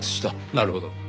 なるほど。